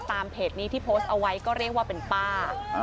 เพจนี้ที่โพสต์เอาไว้ก็เรียกว่าเป็นป้า